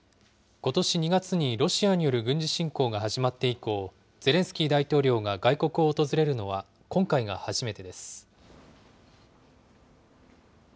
ことし２月にロシアによる軍事侵攻が始まって以降、ゼレンスキー大統領が外国を訪れるのは今回が初めてです。